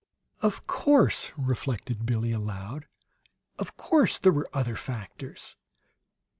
"Of course," reflected Billie, aloud; "of course, there were other factors."